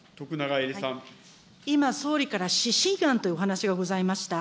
今、総理から指針案というお話がございました。